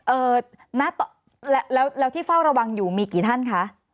เอ่อณแล้วแล้วที่เฝ้าระวังอยู่มีกี่ท่านคะ